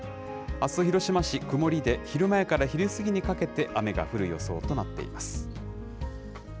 あす広島市、曇りで、昼前から昼過ぎにかけて、雨が降る予想となっています。